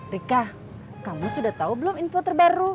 rika kamu sudah tahu belum info terbaru